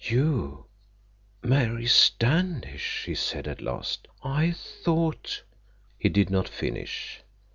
"You—Mary Standish!" he said at last. "I thought—" He did not finish.